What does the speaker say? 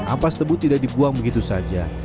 ampas tebu tidak dibuang begitu saja